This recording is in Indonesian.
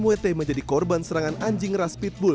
wt menjadi korban serangan anjing ras pitbull